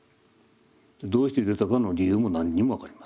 どうして出たかの理由も何にも分かりません。